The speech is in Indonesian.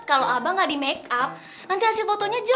kalau aba nggak di makeup nanti hasil fotonya jelek